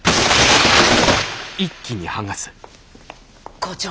校長。